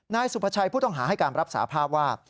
นายสุภาชัยผู้ต้องหาให้การรับสาภาพว่า